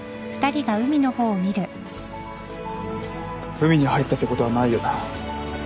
海に入ったってことはないよな。